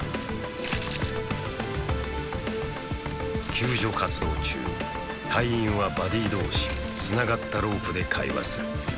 救助活動中隊員はバディ同士繋がったロープで“会話”する。